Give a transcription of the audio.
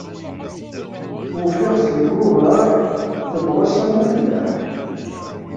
Uffiɣ-tt deg ubraḥ, tebges am ufellaḥ